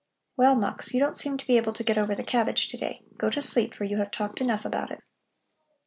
"Well, Mux, you don't seem to be able to get over the cabbage to day. Go to sleep, for you have talked enough about it."